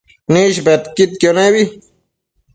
Nëish bedquidquio nebi